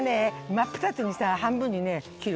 真っ二つにさ半分にね切る。